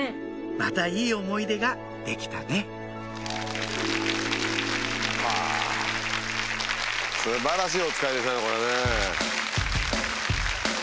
またいい思い出ができたね素晴らしいおつかいでしたねこれね。